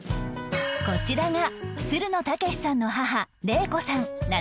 こちらがつるの剛士さんの母令子さん７２歳